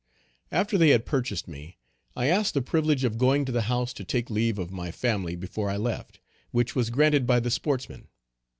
After they had purchased me, I asked the privilege of going to the house to take leave of my family before I left, which was granted by the sportsmen.